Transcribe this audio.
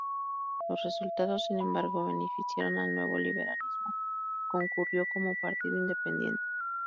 Los resultados, sin embargo, beneficiaron al Nuevo Liberalismo, que concurrió como partido independiente.